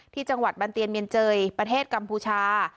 จังหวัดบันเตียนเมียนเจยประเทศกัมพูชา